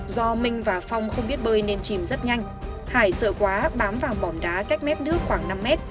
do minh và phong không biết bơi nên chìm rất nhanh hải sợ quá bám vào bỏn đá cách mép nước khoảng năm mét